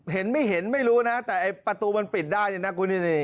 เห็นไม่เห็นไม่รู้นะแต่ไอ้ประตูมันปิดได้เนี่ยนะคุณนี่